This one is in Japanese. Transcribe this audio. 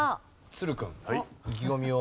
都留君意気込みを。